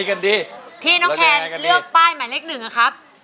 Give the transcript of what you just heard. น้องแค้นครับที่น้องแค้นเลือกป้ายหมายเล็กหนึ่งนะครับ